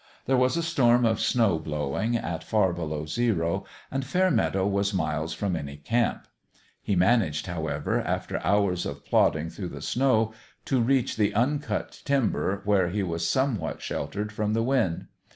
There was a storm of snow blow ing, at far below zero, and Fairmeadow was miles from any camp. He managed, however, after hours of plodding through the snow, to reach the uncut timber, where he was somewhat sheltered from the wind.